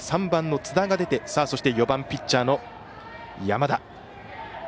３番の津田が出てそして４番ピッチャー、山田。